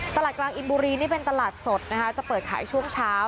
ตลาดกลางอินบุรีนี่เป็นตลาดสดนะคะจะเปิดขายช่วงเช้า